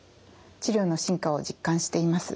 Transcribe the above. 治療の進化を実感しています。